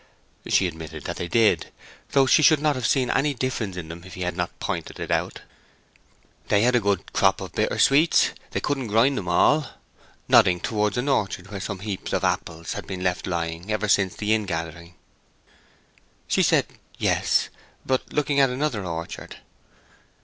She admitted that they did, though she should not have seen any difference in them if he had not pointed it out. "They had a good crop of bitter sweets; they couldn't grind them all" (nodding towards an orchard where some heaps of apples had been left lying ever since the ingathering). She said "Yes," but looking at another orchard.